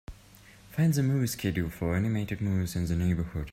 Find the movie schedule for animated movies in the neighborhood.